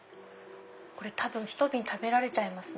多分ひと瓶食べられちゃいます。